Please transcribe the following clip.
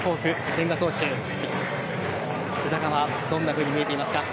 千賀投手、宇田川どんなふうに見えていますか？